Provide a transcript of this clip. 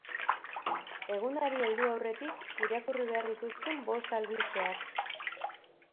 Egunari heldu aurretik irakurri behar dituzun bost albisteak.